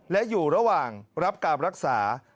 และอยู่ระหว่างรับการรักษา